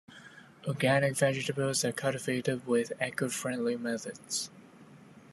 Organic vegetables are cultivated with eco-friendly methods.